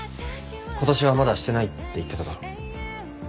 今年はまだしてないって言ってただろ。